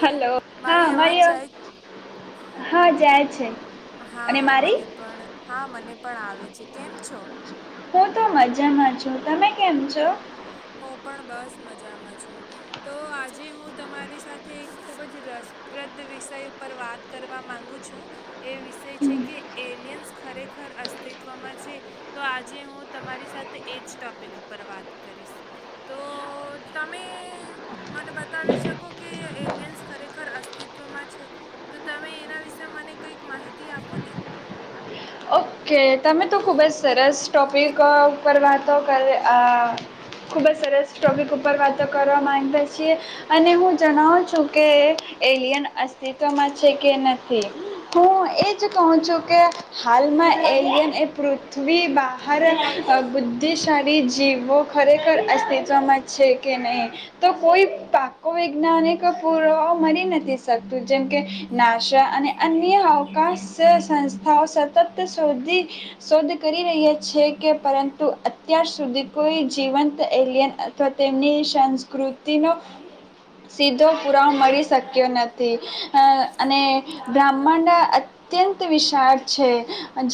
Hello, હા અમારી હ, જાય છે. હા હા, મને પણ હા, મને પણ આવે છે. કેમ છો? હું તો મજામાં છું. તમે કેમ છો? હું પણ બસ મજામાં છું. તો આજે હું તમારી સાથે, ખૂબ જ રસપ્રદ વિષય ઉપર વાત કરવા માગું છું. એ વિષય છે કે, એલિયન્સ ખરેખર અસ્તિત્વમાં છે. તો આજે હું તમારી સાથે એજ ટોપિક ઉપર વાત કરીશ તો તો તમે મને બતાવી શકો કે, એલિયન્સ ખરેખર અસ્તિત્વમાં છે? તો તમે એના વિશે મને કંઈક માહિતી આપો ને. ઓકે તમે તો ખુબ જ સરસ ટોપિક ઉપર વાતો કરે આ ખુબ જ સરસ ટોપિક ઉપર વાતો કરવા માંગતા છીએ. અને હું જણાવું છું કે, એલિયન અસ્તિત્વમાં છે કે નથી? હું એજ કહું છું કે, હાલમાં એલિયન એ પૃથ્વી બહાર બુદ્ધિશાળી જીવો તો ખરેખર અસ્તિત્વમાં છે કે નહીં? તો કોઈ પાકો વૈજ્ઞાનિક પુરવો મળી નથી શકતું જેમકે ના ભાષા અને અન્ય અવકાશ સંસ્થાઓ સતત સુધી શોધ કરી રહ્યા છે. કે પરંતુ અત્યાર સુધી કોઈ જીવંત એલિયન અથવા તેમની સંસ્કૃતિનો [inaudible] સીધો પુરાવ મળી શક્યો નથી અ અને બ્રાહ્મડ અ ત્યંત વિશાળ છે.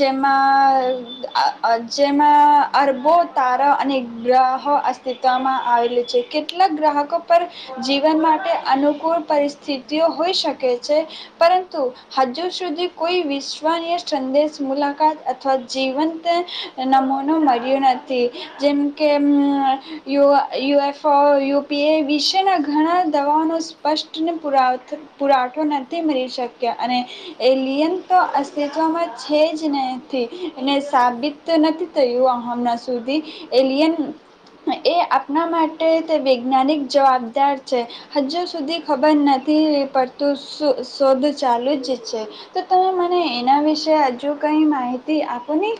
જેમાં જેમાં અરબો તારા અને ગ્રહ અ થીતમાં આવેલુ છે, કેટલાક ગ્રાહકો પર જીવન માટે અનુકૂળ પરિસ્થિતિઓ હોઈ શકે છે. પરંતુ હજુ સુધી કોઈ વિશ્વનીય સંદેશ મુલાકાત અ થવા જીવંત નમૂનો મળ્યો નથી જેમ કે યુ યુએફો યુપીએ વિશેના ઘણા દવાઓનો સ્પષ્ટને પુરા પુરાવઠો નથી મળી શક્યા અને એલિયન તો અસ્તિત્વમાં છે, જ નથી ને સાબિત નથી થયું આ હમણાં સુધી એલિયન એ આપણા માટે તે વૈજ્ઞાનિક જવાબદાર છે. હજુ સુધી ખબર નથી પડતું શુ શોધ ચાલુ જ છે. તો તમે મને એના વિશે અજુ કઈ માહિતી આપો ની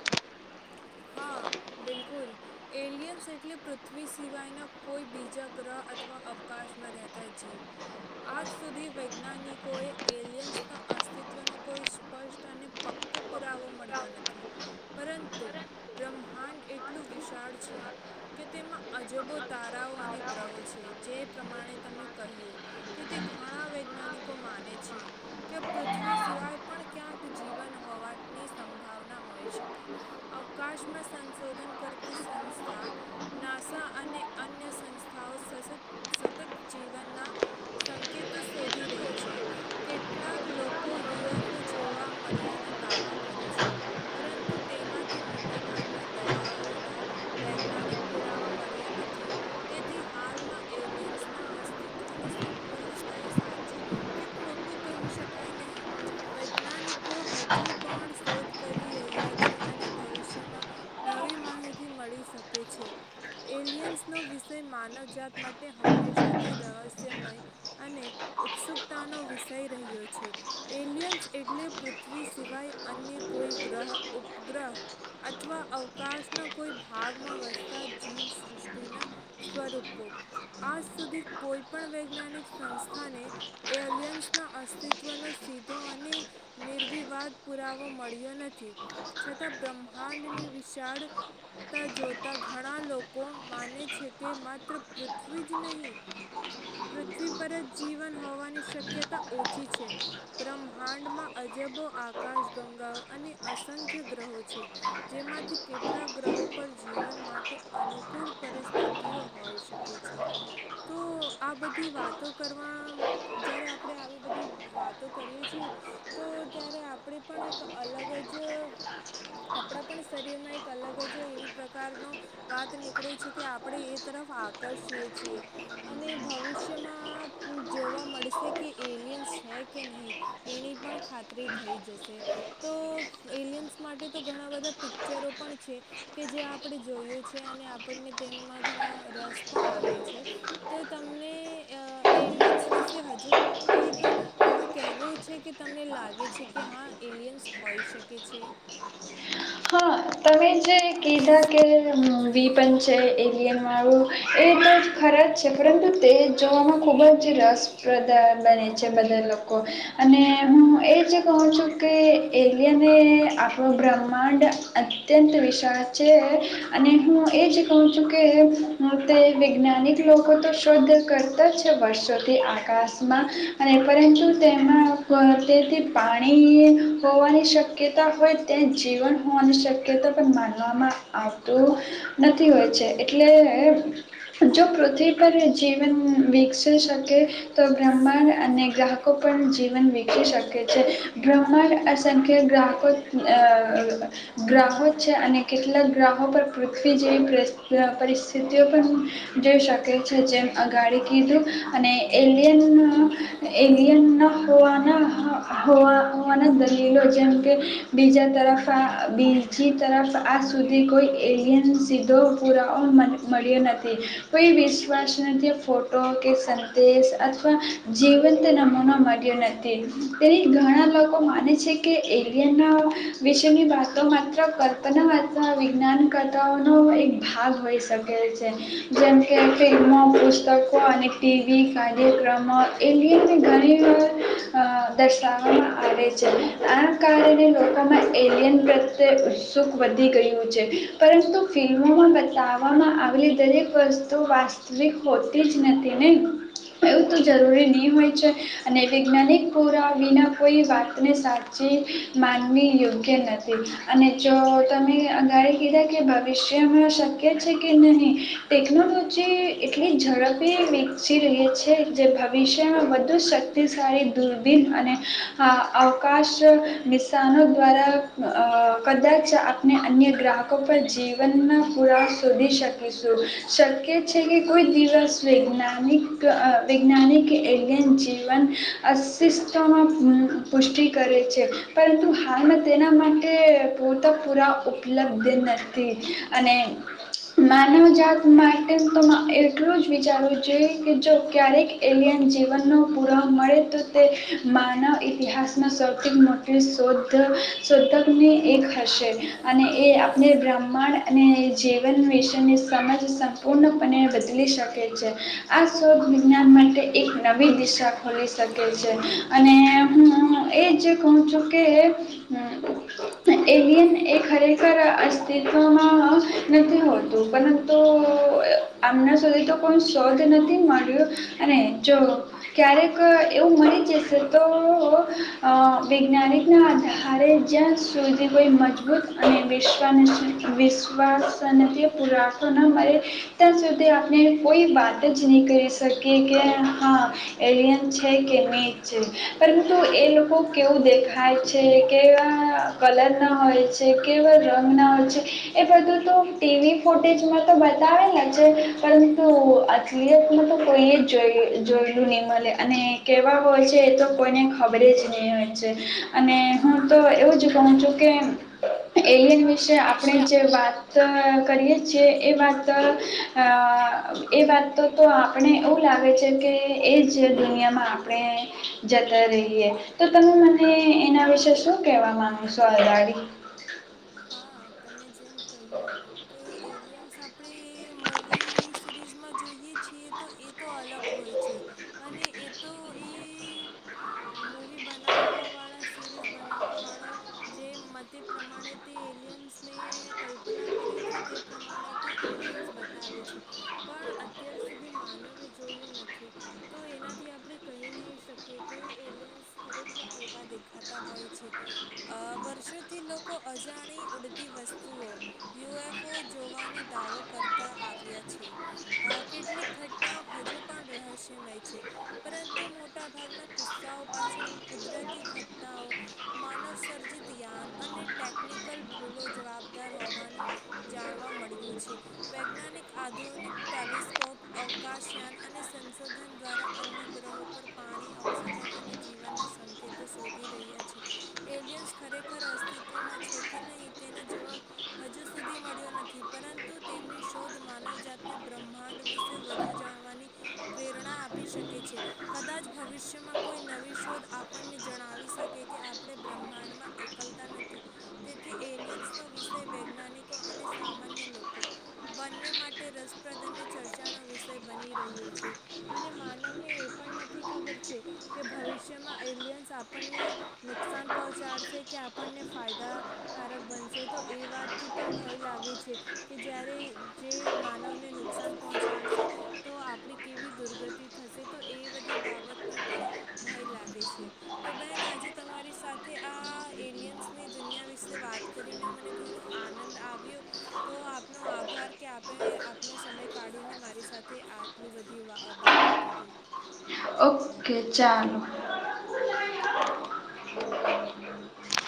હા બિલકુલ એલિયન્સ એટલે પૃથ્વી સિવાયના કોઈ બીજા ગ્રહ અથવા અવકાશમાં રહેતા જીવ આજ સુધી વૈજ્ઞાનિકોએ એલિયન્સના અસ્તિત્વનો કોઈ સ્પષ્ટ અને પ કો પુરાવો મળ્યો નથી પરંતુ બ્રહ્માંડ એટલું વિશાળ છે. કે તેમાં અજબો તારાઓ અને ગ્રહો છે, જે પ્રમાણે તમે કહ્યું તેથી ઘણા વૈજ્ઞાનિકો માને છે. કે પૃથ્વી સિવાય પણ ક્યાંક જીવન હોવાની સંભાવના હોઈ શકે અવકાશમાં સંશોધન કરતી સંસ્થા નાસા અને અન્ય સંસ્થાઓ સસ સતત જીવનના સંકેત શોધી રહી છે. કેટલાક લોકો યુએફો જોવા મળ્યાના દાવા કરે છે. પરંતુ તેમાંથી મો ટા ભાગના દવાઓના વૈજ્ઞાનિક પુરાવા મળ્યા નથી. તેથી હાલમાં એલિયન્સના અસ્તિત્વને સંપૂર્ણપણે સાચું કે ખોટું કહી શકાય નહીં વૈજ્ઞાનિકો હજુ પણ શો કરી રહ્યા છે, અને ભવિષ્યમાં નવી માહિતી મળી શકે છે. એલિયન્સનો વિષય માનવજાત માટે હંમેશાથી રહસ્યમય અને ઉત્સુકતાનો વિષય રહ્યો છે. એલિયન્સ એટલે પૃથ્વી સિવાય અન્ય કોઈ ગ્રહ ઉપગ્રહ અથવા અવકાશના કોઈ ભાગમાં વસતા જીવસૃષ્ટિના સ્વરૂપો આજ સુધી કોઈ પણ વૈજ્ઞાનિક સંસ્થા ને એલિયન્સના અસ્તિત્વનો સીધો અને નિર્વિવાદ પુરાવો મળ્યો નથી છતાં બ્રહ્માંડની વિશાળ તા જોતા ઘણા લોકો માને છે, કે માત્ર પૃથ્વી જ નહીં પૃથ્વી પર જ જીવન હોવાની શક્યતા ઓછી છે. બ્રહ્માંડમાં અબજો આકાશગંગાઓ અને અસંખ્ય ગ્રહો છે. જેમાંથી કેટલાક ગ્રહો પર જીવન માટે અનુકૂળ પરિસ્થિ [unintelligible] હોઈ શકે છે, તો આ બધી વાતો કરવા જ્યારે આપણે આવી બધી વાતો કરીએ છીએ. તો ત્યારે આપણે પણ એક અલગ જ આપણા પણ શરીરમાં એક અલગ જ એવી પ્રકારનો વાત નીકળે છે, કે આપણે એ તરફ આકર્ષીએ છીએ. અને ભવિષ્યમાં જોવા મળશે કે એલિયન્સ છે, કે નહીં એની પણ ખાતરી થઈ જશે તો એલિયન્સ માટે તો ઘણા બધા પિક્ચરો પણ છે. કે જે આપણે જોયા છે અને જેમાં આપણને ઘણો રસ પણ પડ્યો છે. તો તમને એલિયન્સ વિશે હજુ કંઈક... એવું કહેવું છે કે તમને લાગે છે કે હા, એલિયન્સ હોઈ શકે છે? હા, તમે જે કહ્યું કે મૂવી પણ છે એવુ મા.. એ તો ખરા જ છે, પરંતુ તે જોવામાં ખૂબ જ રસપ્રદ બને છે. બધા લોકો, અને હું એ જ... કહું છું કે એલિયન્સ અને આપણું બ્રહ્માંડ... થી વિસાળ છે. અને હું એ જ કહું છું કે તે વૈજ્ઞાનિક લોકો તો શોધ... કરતા જ છે વર્ષોથી આકાશમાં, પરંતુ તેમાં... તેથી પાણી હોવાની શક્યતા હોય, તો જીવન હોવાની શક્યતા પણ હોઈ શકે. તા પણ માનવામાં આવતુ નથી એટલે... જો પૃથ્વી પર જીવન વિકસી શકે... તો બ્રહ્માંડના અન્ય ગ્રહો પર પણ જીવન વિકસી શકે છે. બ્રહ્માંડમાં અસંખ્ય ગ્રહો છે. [inaudible] ગ્રહો છે અને કેટલા ગ્રહો પર પૃથ્વી જવી પરિસ્થિતિઓ પણ હોઈ શકે છે, જેમ આગળ કીધું અને એલિયન્સ... એલિયન્સ હોવાના દલીલો, જેમ કે... બીજા તરફ આ અ બીજી તરફ આજ સુધી કોઈ એલિયન્સનો સીધો પુરાવો મળ્યો નથી. કોઈ વિશ્વાસ નથી ફોટો કે સં અથવા જીવંત નમૂનો મળ્યો નથી તેથી ઘણા લોકો માને કછે કે એલિયન ના વિશેની વાત માત્ર કલ્પના વાર્તા વિજ્ઞાન કરતાઓનોો એક ભાગ હોઈ શકે છે જેમકે ફિલ્મો પુસ્તકો અને ટીવી કાર્યક્રમો એલિયનની ઘણી હેલો દર્શાવવામાં આવે છે આમ કારણે લોકોમાં એલિયન ઉત્સુક વધી ગયું છે પરંતુ ફિલ્મોમાં બતાવવામાં આવેલી દરેક વસ્તુ તો વાસ્તવિક હોતી જ નથી ને એવું તો જરૂરી નહીં હોય છે અને વૈજ્ઞાનિક પુરા વિના કોઈ વાતને સાથ છે માનવી યોગ્ય નથી અને જો તમે અગાળ કીધા કે ભવિષ્યમાં શક્ય છે કે નહીં ટેકનોલોજી એટલી ઝડપી વિકસી રહી છે જે ભવિષ્યમાં વધુ શક્તિ અતિશળી દૂરબીન અને અવકાશ નિશાનો દ્વારા કદાચ આપણે અન્ય ગ્રાહકો પર જીવનમાં પુરા શોધી શકીશું શક્ય છે કે કોઈ દિવસ વૈજ્ઞાનિક વૈજ્ઞાનિક એલિયન જીવન અશિષમાં પુષ્ટિ કરે છે પરંતુ હાલમાં તેના માટે પોરતાપૂરા ઉપલબ્ધ નથી અને માનવજત માટે તો એટલું જ વિચારવું જોઈ કે જો ક્યારેક એલિયન જીવનનો પુરાવ મળે તો તે માનવ ઇતિહાસમાં સૌથી મોટો શોધકને એક થશે અને એ આપણે બ્રાહ્માંડ અને જીવન વિશેની સમજ સમ પૂર્ણપણે બદલી શકે છે આ શોધ વિજ્ઞાન માટે એક નવી દિશા ખોલી શકે છે અને એ જે કહૂ ચુકે [inaudible] એલિયન એ ખરેખર અસ્તિત્વમાં નથી હોતું પરંતુ આમના સુધી તો કોઈ સોલ્થ નથી મળ્યો અને જો ક્યારેક એવું મીડી જશે તો વૈજ્ઞાનિકના આધારે જ્યાં સો થી કોઈ મજબૂત અને વિશ વિશ્વાસની પુરાસો ન મળે. ત્યાં સુધી આપણે કોઈ વાત જ નહી કરી શકીએ કે હા એરિયન છે કે નીચ છે. પરંતુ એ લોકો કેવું દેખાય છે કેવા કેવા હોય છે, કેવા રંગના હોય છે એ બધું તો ટીવી, ફૂટેજમાં તો બતાવેલા છે પરંતુ આટલી એજ માં તો કોઈ જ જોઈ જોયેલું નહી મલે. અને કહેવા હોય છે એ તો કોઈને ખબરે જ નહીં હોય છે. અને હું તો એવું જ કહું છું કે એલિયન વિશે આપણે જે વાત તો કરીએ છીએ એ વાત તો એ વાત તો તો આપણે એવું લાગે છે કે એ જ દુનિયામાં આપણે જતા રહીએ. તો તમે મને એના વિશે શું કેહેવા માંગુ છો અગાડી હા તમે જેમ કહ્યું કે એલિયન્સ આપ આપણે મૂવી, સિરીઝમાં જોઈએ છીએ તો એ તો અલગ હોય છે. અને એ તો એ મૂવી બનાવવાવાળા, સિરીઝ બનાવવાવાળો જે મતે પ્રમાણે તે એલિયન્સને કલ્પના કરે છે તે પ્રમાણે તે એલિયન્સ બતાવે છે. પણ અત્યાર સુધી માનવે જોયું નથી. તો એનાથી આપણે કહી નહી શકીએ કે એલિયન્સ ખરેખર કેવા દેખાતા હોય છે. આ વર્ષોથી લોકો અજાણી ઉડતી વસ્તુઓ યુએફઓ જોવાનો દાવો કરતા આવ્યા છે. આ કેટલીક ઘટના હજુ પણ રહસ્યમય છે. પરંતુ મોટા ભાગના કિસ્સાઓ પાછળ કુદરતી ઘટનાઓ માનવ સર્જિત જ્ઞાન અને ટેકનિકલ ભૂલો જવાબદાર હોવાનું જાણવા મળ્યું છે. વૈજ્ઞાનિક આધુનિક ટેલિસ્કોપ, અવકાશયાન અને સંશોધન દ્વારા અન્ય ગ્રહો પર પાણી, ઓક્સિજન અને જીવનના સંકેતો શોધી રહ્યા છે. એલિયન્સ ખરેખર અસ્તિત્વમાં છે કે નહીં તેનો જવાબ હજુ સુધી મળ્યો નથી. પરંતુ તેમની શોધ માનવ જાતને બ્રહ્માંડ વિશે વધ વધુ જાણવાની પ્રેરણા આપી શકે છે. કદાચ ભવિષ્યમાં કોઈ નવી શોધ આપણને જણાવી શકે કે આપણે બ્રહ્માંડમાં એ કલતા નથી. તેથી એલિયન્સનો વિષય વૈજ્ઞાનિકો અને સામાન્ય લોકો. બંને માટે રસપ્રદ અને ચર્ચાનો વિષય બની રહ્યો છે. અને માનવને એ પણ નથી ખબર છે. કે ભવિષ્યમાં એલિયન્સ આપણને નુકસાન પહોંચાડશે કે આપણને ફાયદાકારક બનશે તો એ વાતથી પણ ભય લાગે છે. કે જયારે જે માનવને નુકસાન પહોંચાડશે તો આપણી કેવી દુર્ગતિ થશે તો એ બધી બાબતનો પણ ભય લાગે છે. તો બેન આજે તમારી સાથે આ એલિયનસ ની દુનિયા વિશે વાત કરીને મને ઘણો આનંદ આવ્યો. તો આપનો આભાર કે આપે આપનો સમય કાઢીને મારી સાથે આ આટલી બધી વા બાતો કીધી. ઓહ! કે ચાલો.